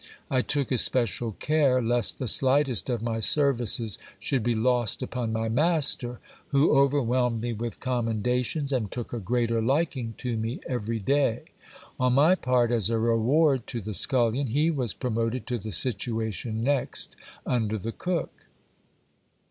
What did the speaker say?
I took especial care lest the slightest of my services should be lost upon my master, who overwhelmed me with commendations, and took a greater liking to me every day. On my part, as a reward to the scullion, he was pro moted to the situation next under the cook.